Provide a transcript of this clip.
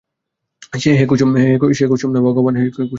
সে কুসুম নয়, হে ভগবান, সে কুসুম নয়।